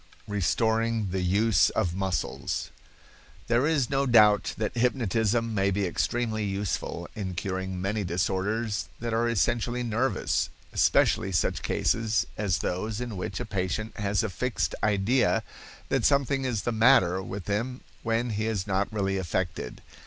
Restoring the Use of Muscles.—There is no doubt that hypnotism may be extremely useful in curing many disorders that are essentially nervous, especially such cases as those in which a patient has a fixed idea that something is the matter with him when he is not really affected.